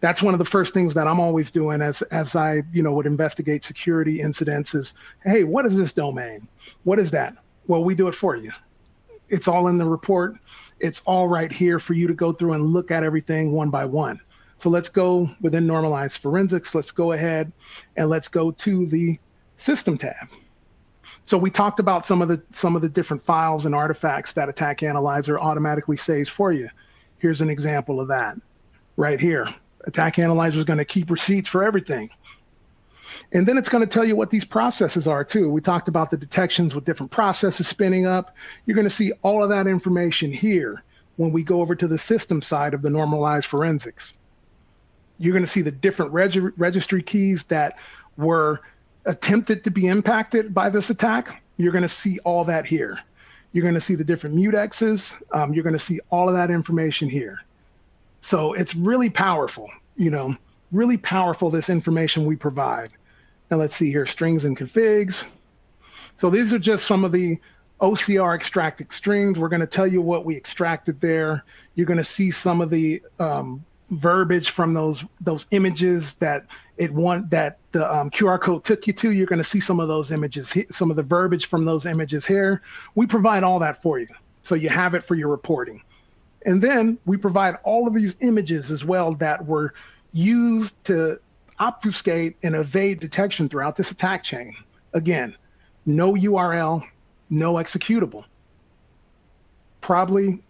That's one of the first things that I'm always doing as I would investigate security incidents is, "Hey, what is this domain? What is that?" We do it for you. It's all in the report. It's all right here for you to go through and look at everything one by one. Let's go within Normalized Forensics. Let's go ahead and let's go to the System tab. We talked about some of the different files and artifacts that Attack Analyzer automatically saves for you. Here's an example of that right here. Attack Analyzer is going to keep receipts for everything. Then it's going to tell you what these processes are too. We talked about the detections with different processes spinning up. You're going to see all of that information here when we go over to the system side of the Normalized Forensics. You're going to see the different registry keys that were attempted to be impacted by this attack. You're going to see all that here. You're going to see the different mutexes. You're going to see all of that information here. It is really powerful, really powerful this information we provide. Let's see here, strings and configs. These are just some of the OCR extracted strings. We're going to tell you what we extracted there. You're going to see some of the verbiage from those images that the QR code took you to. You're going to see some of those images, some of the verbiage from those images here. We provide all that for you so you have it for your reporting. We provide all of these images as well that were used to obfuscate and evade detection throughout this attack chain. Again, no URL, no executable, probably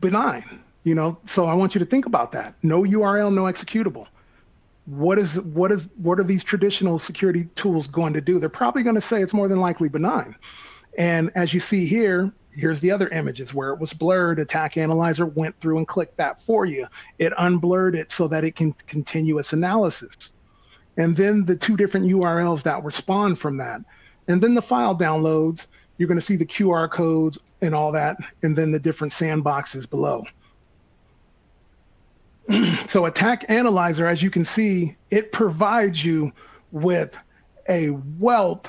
benign. I want you to think about that. No URL, no executable. What are these traditional security tools going to do? They're probably going to say it's more than likely benign. As you see here, here's the other images where it was blurred. Attack Analyzer went through and clicked that for you. It unblurred it so that it can continue its analysis. The two different URLs that respond from that. The file downloads. You're going to see the QR codes and all that, and then the different sandboxes below. Attack Analyzer, as you can see, it provides you with a wealth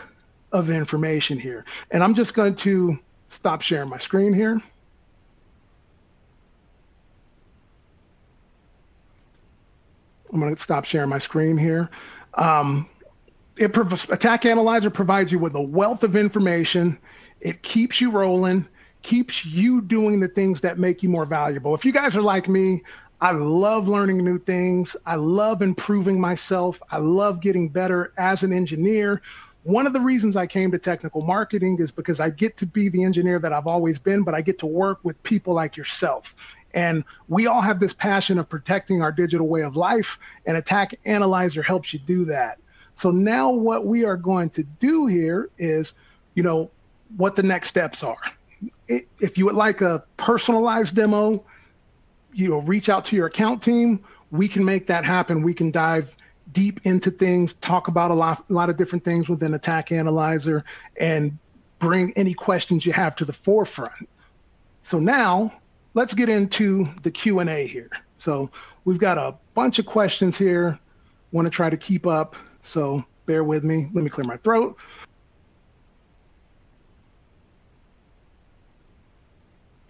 of information here. I'm just going to stop sharing my screen here. Attack Analyzer provides you with a wealth of information. It keeps you rolling, keeps you doing the things that make you more valuable. If you guys are like me, I love learning new things. I love improving myself. I love getting better as an engineer. One of the reasons I came to technical marketing is because I get to be the engineer that I've always been, but I get to work with people like yourself. We all have this passion of protecting our digital way of life, and Attack Analyzer helps you do that. So now what we are going to do here is what the next steps are. If you would like a personalized demo, reach out to your account team. We can make that happen. We can dive deep into things, talk about a lot of different things within Attack Analyzer, and bring any questions you have to the forefront. Now let's get into the Q&A here. We've got a bunch of questions here. Want to try to keep up, so bear with me. Let me clear my throat.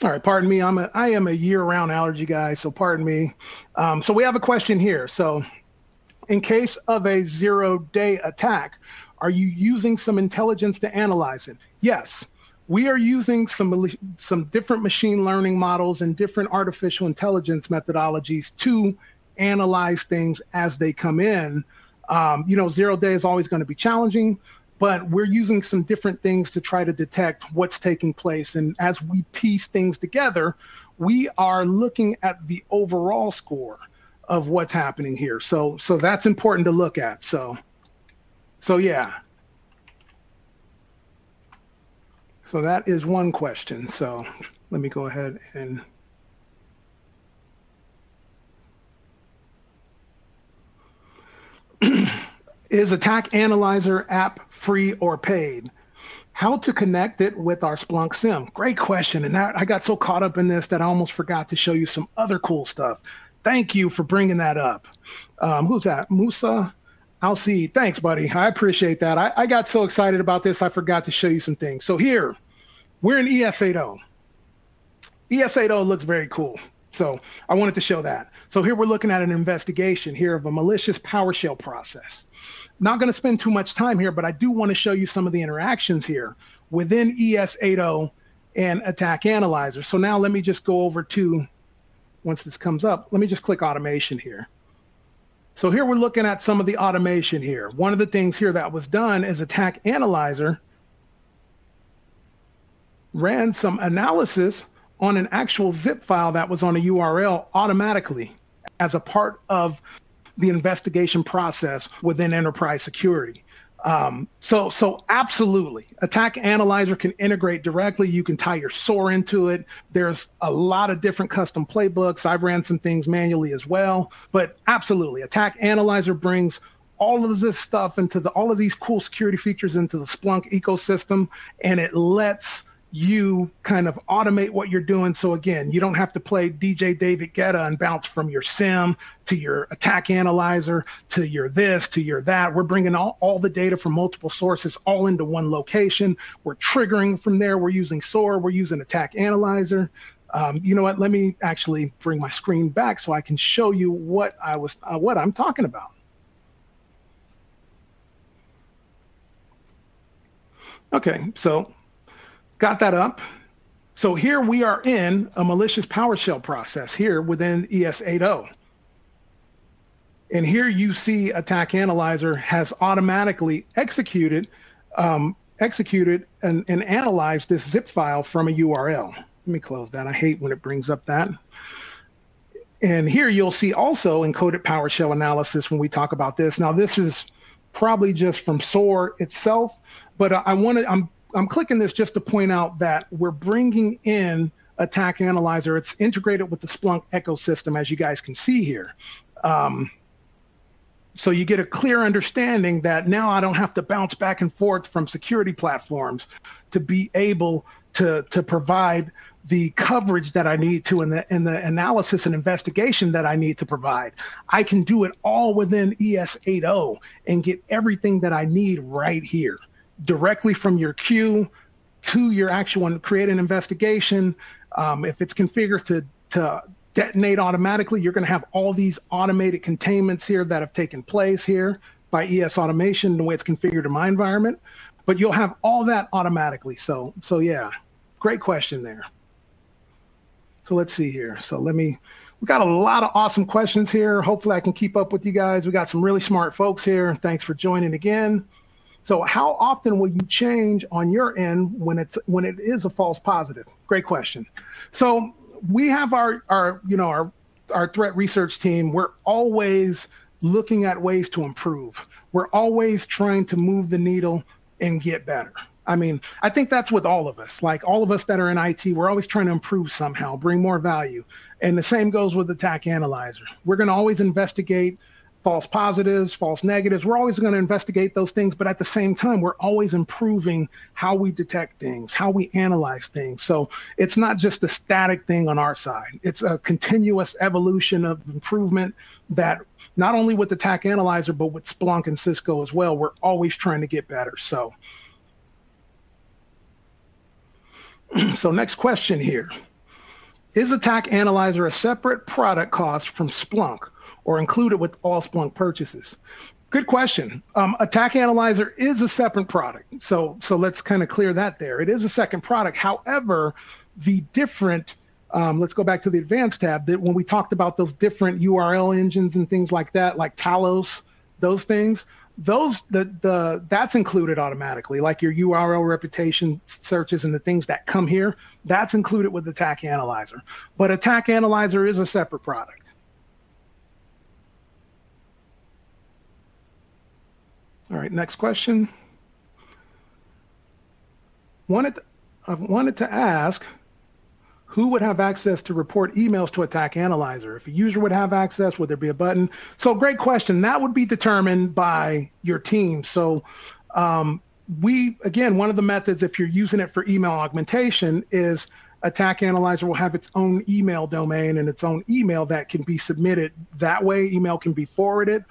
All right, pardon me. I am a year-round allergy guy, so pardon me. We have a question here. In case of a zero-day attack, are you using some intelligence to analyze it? Yes. We are using some different machine learning models and different artificial intelligence methodologies to analyze things as they come in. Zero-day is always going to be challenging, but we're using some different things to try to detect what's taking place. As we piece things together, we are looking at the overall score of what's happening here. That's important to look at. That is one question. Let me go ahead and is Attack Analyzer app free or paid? How to connect it with our Splunk SIEM? Great question. I got so caught up in this that I almost forgot to show you some other cool stuff. Thank you for bringing that up. Who's that? Musa? Alsey. Thanks, buddy. I appreciate that. I got so excited about this. I forgot to show you some things. Here, we're in ES 8.0. ES 8.0 looks very cool. I wanted to show that. Here we're looking at an investigation here of a malicious PowerShell process. Not going to spend too much time here, but I do want to show you some of the interactions here within ES 8.0 and Attack Analyzer. Now let me just go over to, once this comes up, let me just click automation here. Here we're looking at some of the automation here. One of the things here that was done is Attack Analyzer ran some analysis on an actual zip file that was on a URL automatically as a part of the investigation process within Enterprise Security. Absolutely, Attack Analyzer can integrate directly. You can tie your SOAR into it. There's a lot of different custom playbooks. I've ran some things manually as well. Absolutely, Attack Analyzer brings all of this stuff into all of these cool security features into the Splunk ecosystem, and it lets you kind of automate what you're doing. Again, you don't have to play DJ David Guetta and bounce from your SIEM to your Attack Analyzer to your this, to your that. We're bringing all the data from multiple sources all into one location. We're triggering from there. We're using SOAR. We're using Attack Analyzer. You know what? Let me actually bring my screen back so I can show you what I'm talking about. Okay, got that up. Here we are in a malicious PowerShell process here within ES 8.0. Here you see Attack Analyzer has automatically executed and analyzed this zip file from a URL. Let me close that. I hate when it brings up that. Here you'll see also encoded PowerShell analysis when we talk about this. This is probably just from SOAR itself, but I'm clicking this just to point out that we're bringing in Attack Analyzer. It's integrated with the Splunk ecosystem, as you guys can see here. You get a clear understanding that now I don't have to bounce back and forth from security platforms to be able to provide the coverage that I need to and the analysis and investigation that I need to provide. I can do it all within ES 8.0 and get everything that I need right here directly from your queue to your actual create an investigation. If it's configured to detonate automatically, you're going to have all these automated containment here that have taken place here by ES automation the way it's configured in my environment. You'll have all that automatically. Great question there. Let's see here. We've got a lot of awesome questions here. Hopefully, I can keep up with you guys. We've got some really smart folks here. Thanks for joining again. How often will you change on your end when it is a false positive? Great question. We have our threat research team. We're always looking at ways to improve. We're always trying to move the needle and get better. I mean, I think that's with all of us. All of us that are in IT, we're always trying to improve somehow, bring more value. The same goes with Attack Analyzer. We're going to always investigate false positives, false negatives. We're always going to investigate those things. At the same time, we're always improving how we detect things, how we analyze things. It's not just a static thing on our side. It's a continuous evolution of improvement that not only with Attack Analyzer, but with Splunk and Cisco as well. We're always trying to get better. Next question here. Is Attack Analyzer a separate product cost from Splunk or included with all Splunk purchases? Good question. Attack Analyzer is a separate product. Let's kind of clear that there. It is a second product. However, the different, let's go back to the advanced tab, that when we talked about those different URL engines and things like that, like Talos, those things, that's included automatically. Your URL Reputation searches and the things that come here, that's included with Attack Analyzer. Attack Analyzer is a separate product. All right, next question. I wanted to ask who would have access to report emails to Attack Analyzer? If a user would have access, would there be a button? Great question. That would be determined by your team. Again, one of the methods, if you're using it for email augmentation, is Attack Analyzer will have its own email domain and its own email that can be submitted that way. Email can be forwarded,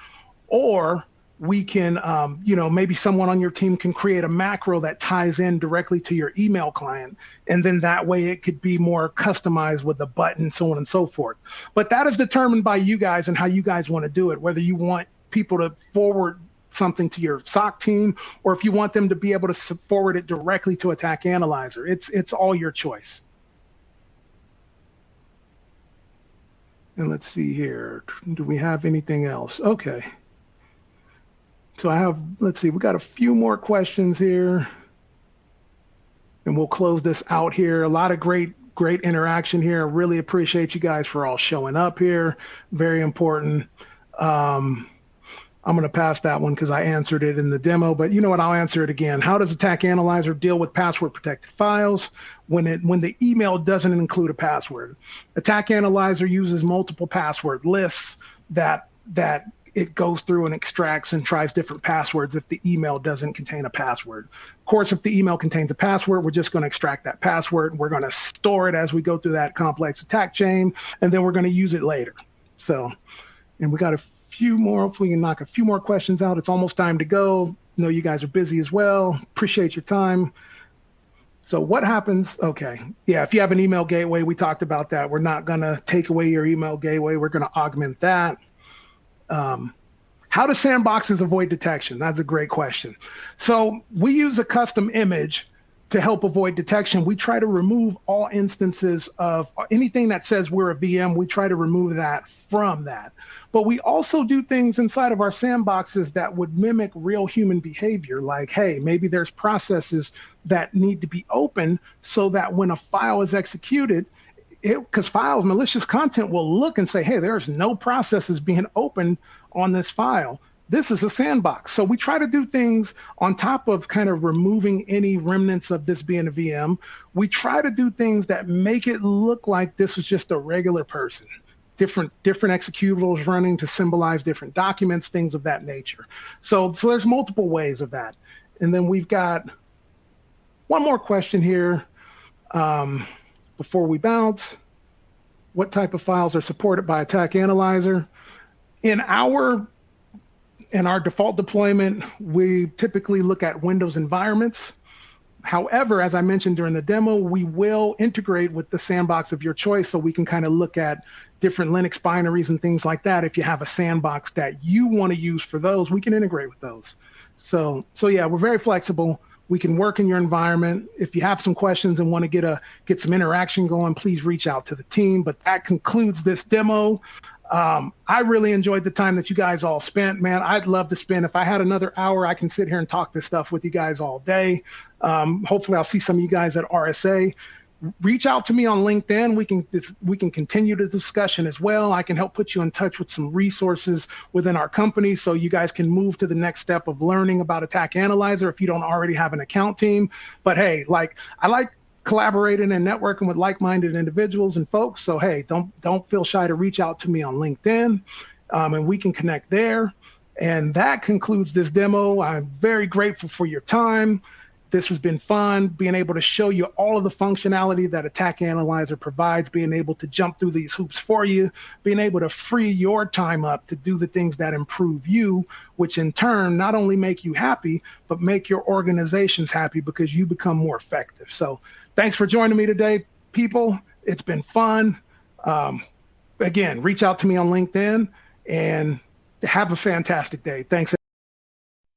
or maybe someone on your team can create a macro that ties in directly to your email client. That way, it could be more customized with a button, so on and so forth. That is determined by you guys and how you guys want to do it, whether you want people to forward something to your SOC team or if you want them to be able to forward it directly to Attack Analyzer. It's all your choice. Let's see here. Do we have anything else? Okay. Let's see. We've got a few more questions here, and we'll close this out here. A lot of great interaction here. Really appreciate you guys for all showing up here. Very important. I'm going to pass that one because I answered it in the demo. But you know what? I'll answer it again. How does Attack Analyzer deal with password-protected files when the email doesn't include a password? Attack Analyzer uses multiple password lists that it goes through and extracts and tries different passwords if the email doesn't contain a password. Of course, if the email contains a password, we're just going to extract that password. We're going to store it as we go through that complex attack chain, and then we're going to use it later. We've got a few more. Hopefully, we can knock a few more questions out. It's almost time to go. I know you guys are busy as well. Appreciate your time. What happens? Okay. Yeah, if you have an email gateway, we talked about that. We're not going to take away your email gateway. We're going to augment that. How do sandboxes avoid detection? That's a great question. We use a custom image to help avoid detection. We try to remove all instances of anything that says we're a VM. We try to remove that from that. We also do things inside of our sandboxes that would mimic real human behavior. Like, hey, maybe there's processes that need to be open so that when a file is executed, because malicious content will look and say, "Hey, there are no processes being opened on this file. This is a sandbox." We try to do things on top of kind of removing any remnants of this being a VM. We try to do things that make it look like this is just a regular person, different executables running to symbolize different documents, things of that nature. There are multiple ways of that. We have one more question here before we bounce. What type of files are supported by Attack Analyzer? In our default deployment, we typically look at Windows environments. However, as I mentioned during the demo, we will integrate with the sandbox of your choice so we can kind of look at different Linux binaries and things like that. If you have a sandbox that you want to use for those, we can integrate with those. We are very flexible. We can work in your environment. If you have some questions and want to get some interaction going, please reach out to the team. That concludes this demo. I really enjoyed the time that you guys all spent. Man, I'd love to spend. If I had another hour, I can sit here and talk this stuff with you guys all day. Hopefully, I'll see some of you guys at RSA. Reach out to me on LinkedIn. We can continue the discussion as well. I can help put you in touch with some resources within our company so you guys can move to the next step of learning about Attack Analyzer if you don't already have an account team. Hey, I like collaborating and networking with like-minded individuals and folks. Hey, don't feel shy to reach out to me on LinkedIn, and we can connect there. That concludes this demo. I'm very grateful for your time. This has been fun being able to show you all of the functionality that Attack Analyzer provides, being able to jump through these hoops for you, being able to free your time up to do the things that improve you, which in turn not only make you happy, but make your organizations happy because you become more effective. Thanks for joining me today, people. It's been fun. Again, reach out to me on LinkedIn and have a fantastic day. Thanks.